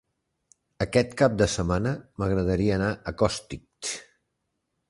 Aquest cap de setmana m'agradaria anar a Costitx.